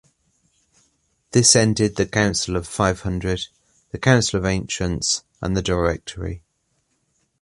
This ended the Council of Five Hundred, the Council of Ancients and the Directory.